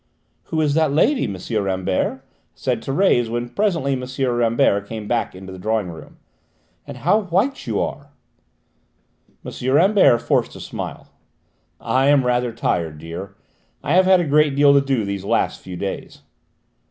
"Who is that lady, M. Rambert?" said Thérèse when presently M. Rambert came back into the drawing room. "And how white you are!" M. Rambert forced a smile. "I am rather tired, dear. I have had a great deal to do these last few days."